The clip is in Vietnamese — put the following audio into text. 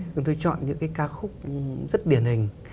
chúng tôi chọn những cái ca khúc rất điển hình